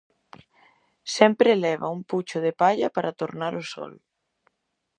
Sempre leva un pucho de palla para tornar o sol.